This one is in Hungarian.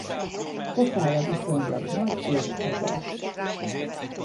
Pofája viszonylag nagy és hegyes.